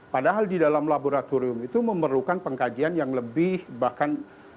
padahal di dalam laboratorium itu memerlukan pengkajian yang lebih bahkan